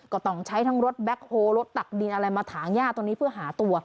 ก็ต้องใช้ทั้งรถแบ็คโฮรถตักดินอะไรมาถางย่าตรงนี้เพื่อหาตัว